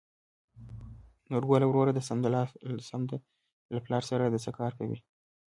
نورګله وروره د سمد له پلار سره د څه کار دى ؟